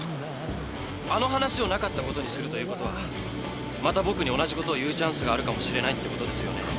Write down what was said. あの話をなかったことにするということはまた僕に同じことを言うチャンスがあるかもしれないってことですよね？